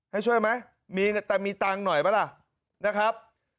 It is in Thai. ให้ช่วยไหมมีแต่มีตังค์หน่อยไหมล่ะนะครับ